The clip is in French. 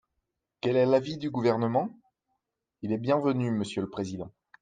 Quel est l’avis du Gouvernement ? Il est bienvenu, monsieur le président.